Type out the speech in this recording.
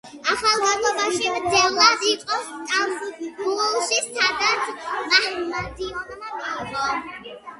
ახალგაზრდობაში მძევლად იყო სტამბოლში, სადაც მაჰმადიანობა მიიღო.